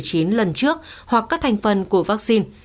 trẻ có tiền sử phản trước hoặc các thành phần của vaccine